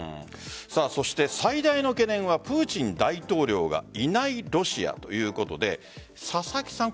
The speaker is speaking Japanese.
そして最大の懸念はプーチン大統領がいないロシアということで佐々木さん